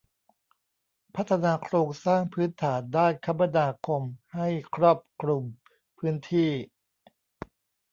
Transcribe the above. พัฒนาโครงสร้างพื้นฐานด้านคมนาคมให้ครอบคลุมพื้นที่